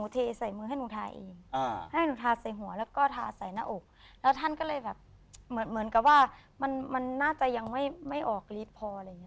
แล้วท่านก็เลยแบบเหมือนกับว่ามันน่าจะยังไม่ออกฤทธิ์พออะไรอย่างนี้